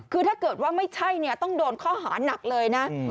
คือถ้าเกิดว่าไม่ใช่เนี่ยต้องโดนข้อหานักเลยนะ